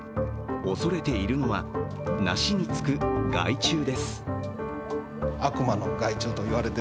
恐れているのは、梨につく害虫です。